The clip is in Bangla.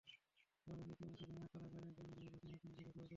জানা গেছে, ইতিমধ্যে স্বজনেরা কারাগারে গিয়ে নূর হোসেনের সঙ্গে দেখাও করেছেন।